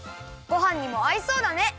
ごはんにもあいそうだね！